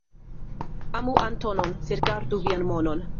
Amu Antonon, sed gardu vian monon.